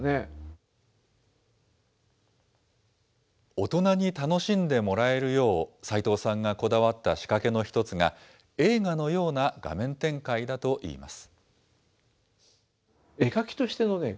大人に楽しんでもらえるよう、さいとうさんがこだわった仕掛けの一つが、映画のような画面展開だといいます。